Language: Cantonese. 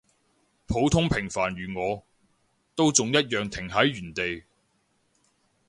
普通平凡如我，都仲一樣停喺原地